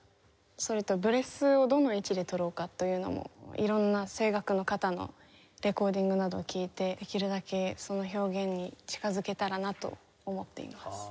それとブレスをどの位置で取ろうかというのも色んな声楽の方のレコーディングなどを聴いてできるだけその表現に近づけたらなと思っています。